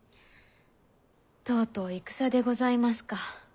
とうとう戦でございますか。